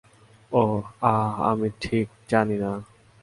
ওহ, আহ, আমি ঠিক জানি না।